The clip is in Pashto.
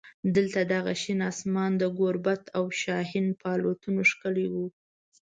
دلته دغه شین اسمان د ګوربت او شاهین په الوتنو ښکلی و.